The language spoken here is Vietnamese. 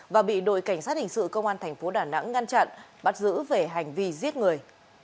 và bị đội cảnh sát hình sự công an thành phố đà nẵng ngăn chặn bắt giữ về hành vi giết người